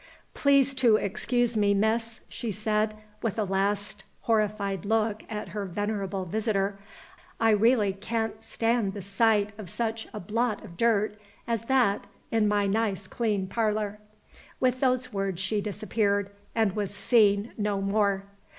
"Please to excuse me, miss," she said with a last horrified look at her venerable visitor; "I really can't stand the sight of such a blot of dirt as that in my nice clean parlor." With those words she disappeared, and was seen no more.